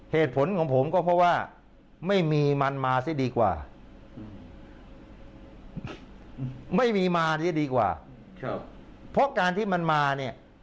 เหตุผลของผมก็เพราะว่าไม่มีมันมาซะดีกว่าไม่มีมาเสียดีกว่าเพราะการที่มันมาเนี่ย